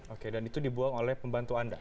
oke dan itu dibuang oleh pembantu anda